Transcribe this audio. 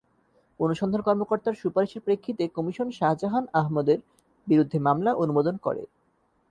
অনুসন্ধান কর্মকর্তার সুপারিশের প্রেক্ষিতে কমিশন শাহজাহান আহমেদের বিরুদ্ধে মামলা অনুমোদন করে।